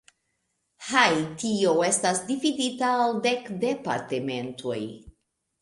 Haitio estas dividita al dek departementoj.